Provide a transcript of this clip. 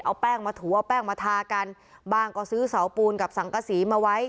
เอาแป้งมาถูเอาแป้งมาทากันบ้างก็ซื้อเสาปูนกับสังกษีมาไว้